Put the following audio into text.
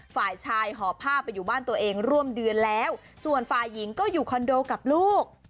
ฝ่ายชายหอบผ้าไปอยู่บ้านตัวเองร่วมเดือนแล้วส่วนฝ่ายหญิงก็อยู่คอนโดกับลูก